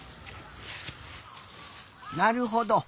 なるほど。